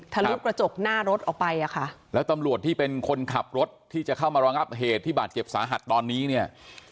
ลุกระจกหน้ารถออกไปอ่ะค่ะแล้วตำรวจที่เป็นคนขับรถที่จะเข้ามารองับเหตุที่บาดเจ็บสาหัสตอนนี้เนี่ย